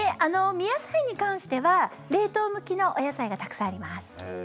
実野菜に関しては冷凍向きのお野菜がたくさんあります。